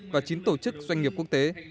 và chín tổ chức doanh nghiệp quốc tế